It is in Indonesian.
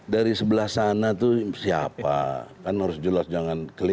dari sebelah sana itu siapa kan harus jelas jangan keliru